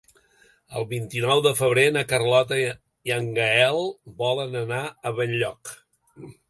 El vint-i-nou de febrer na Carlota i en Gaël volen anar a Benlloc.